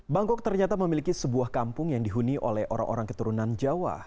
bangkok ternyata memiliki sebuah kampung yang dihuni oleh orang orang keturunan jawa